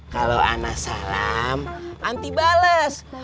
kalau anas salam anti bales